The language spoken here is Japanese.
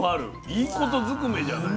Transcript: いいことずくめじゃない。